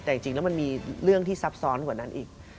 แต่จริงแล้วมันมีเรื่องที่ซับซ้อนกว่านั้นอีก